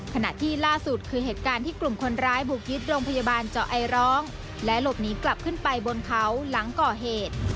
ขณะที่ล่าสุดคือเหตุการณ์ที่กลุ่มคนร้ายบุกยึดโรงพยาบาลเจาะไอร้องและหลบหนีกลับขึ้นไปบนเขาหลังก่อเหตุ